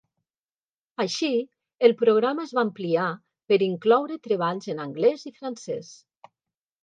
Així, el programa es va ampliar per incloure treballs en anglès i francès.